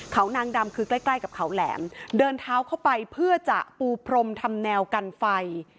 เขานางดำคือใกล้ใกล้กับเขาแหลมเดินเท้าเข้าไปเพื่อจะปูพรมทำแนวกันไฟ